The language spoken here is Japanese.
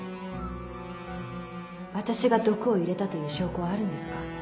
私が毒を入れたという証拠はあるんですか？